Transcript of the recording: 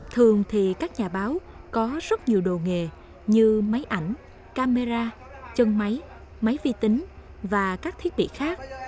thường thì các nhà báo có rất nhiều đồ nghề như máy ảnh camera chân máy máy vi tính và các thiết bị khác